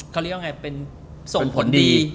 เขาเรียกว่าไงเป็นส่งผลดี